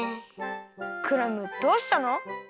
クラムどうしたの？